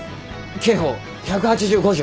刑法１８５条。